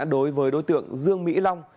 đối với đối tượng dương mỹ long